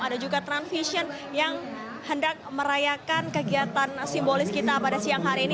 ada juga transvision yang hendak merayakan kegiatan simbolis kita pada siang hari ini